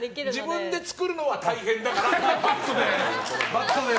自分で作るのは大変だからバッドで。